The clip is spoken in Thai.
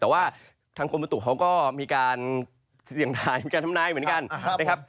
แต่ว่าทางกรมประตุเขาก็มีการเสี่ยงทายมีการทำนายเหมือนกันนะครับ